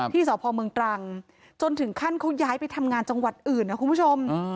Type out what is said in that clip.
สพเมืองตรังจนถึงขั้นเขาย้ายไปทำงานจังหวัดอื่นนะคุณผู้ชม